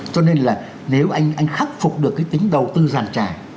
cho nên là nếu anh khắc phục được cái tính đầu tư giàn trải